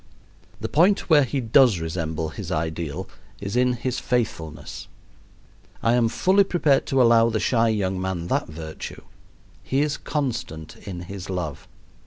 The point where he does resemble his ideal is in his faithfulness. I am fully prepared to allow the shy young man that virtue: he is constant in his love.